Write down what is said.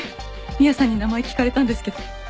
ミアさんに名前聞かれたんですけど。